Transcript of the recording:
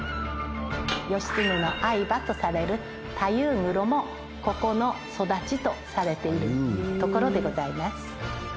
義経の愛馬とされる大夫黒もここの育ちとされている所でございます。